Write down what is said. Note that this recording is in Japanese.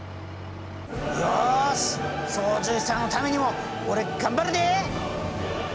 よし操縦士さんのためにも俺頑張るで！